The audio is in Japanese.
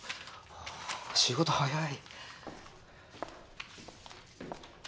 仕事速い。